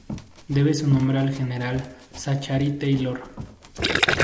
Debe su nombre al general Zachary Taylor.